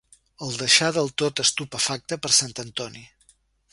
El deixà del tot estupefacte per sant Antoni.